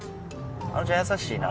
あのちゃん優しいな。